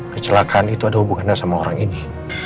kecelakaan itu ada hubungannya sama orang ini